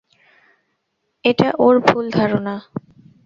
এটা ওর ভুল ধারণা।